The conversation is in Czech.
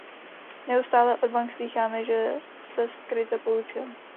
Neustále od bank slýcháme, že se z krize poučily.